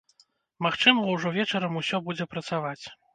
Магчыма, ужо вечарам усё будзе працаваць.